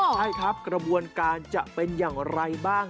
ใช่ครับกระบวนการจะเป็นอย่างไรบ้าง